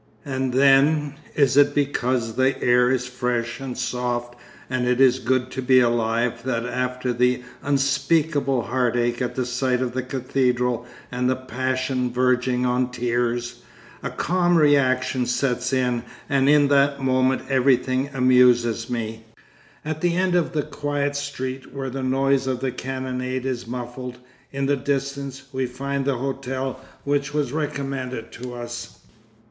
And then, is it because the air is fresh and soft and it is good to be alive that after the unspeakable heartache at the sight of the cathedral and the passion verging on tears, a calm of reaction sets in and in that moment everything amuses me? At the end of a quiet street, where the noise of the cannonade is muffled, in the distance, we find the hotel which was recommended to us.